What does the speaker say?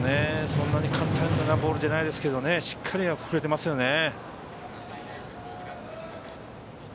そんなに簡単に打てるボールじゃないですけどしっかり振れてますよね。